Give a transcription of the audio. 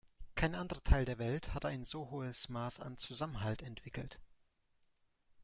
Kein anderer Teil der Welt hat ein so hohes Maß an Zusammenhalt entwickelt.